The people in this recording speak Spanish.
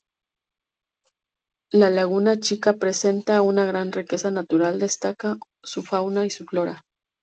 La Laguna Chica presenta una gran riqueza natural, destaca su fauna y su flora.